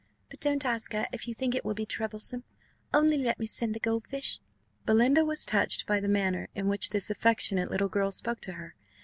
But don't ask her, if you think it will be troublesome only let me send the gold fish." Belinda was touched by the manner in which this affectionate little girl spoke to her.